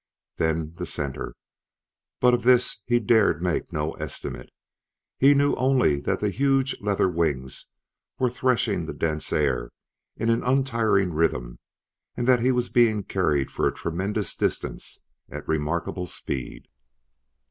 Then the center! but of this he dared make no estimate; he knew only that the huge leather wings were threshing the dense air in an untiring rhythm and that he was being carried for a tremendous distance at remarkable speed.